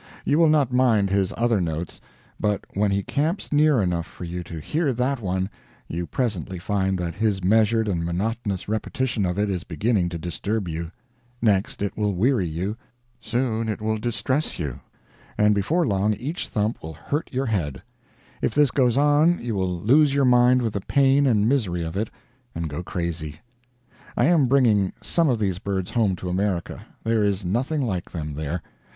You will not mind his other notes, but when he camps near enough for you to hear that one, you presently find that his measured and monotonous repetition of it is beginning to disturb you; next it will weary you, soon it will distress you, and before long each thump will hurt your head; if this goes on, you will lose your mind with the pain and misery of it, and go crazy. I am bringing some of these birds home to America. There is nothing like them there.